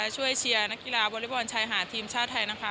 ช่วยเชียร์นักกีฬาบอลลี่บอลชายหาดทีมชาวไทยนะคะ